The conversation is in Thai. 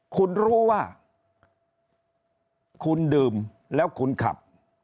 คุณรู้ว่าคุณดื่มแล้วคุณขับ